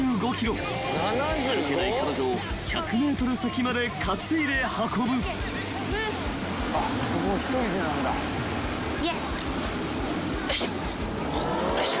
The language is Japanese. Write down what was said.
［歩けない彼女を１００ｍ先まで担いで運ぶ］よいしょ。